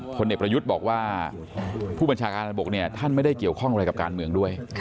เด็กประยุทธ์บอกว่าผู้บัญชาการบกเนี่ยท่านไม่ได้เกี่ยวข้องอะไรกับการเมืองด้วย